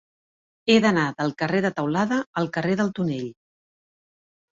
He d'anar del carrer de Teulada al carrer del Tonell.